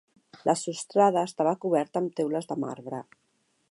La sostrada estava coberta amb teules de marbre.